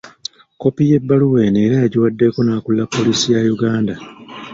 Kkopi y'ebbaluwa eno era yagiwaddeko n'akulira poliisi ya Uganda.